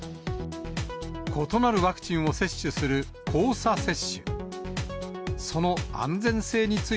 異なるワクチンを接種する、交差接種。